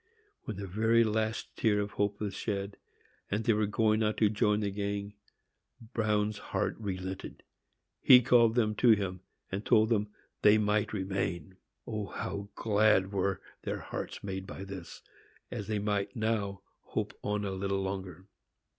When the very last tear of hope was shed, and they were going out to join the gang, Bruin's heart relented. He called them to him, and told them they might remain! O, how glad were their hearts made by this, as they might now hope on a little longer!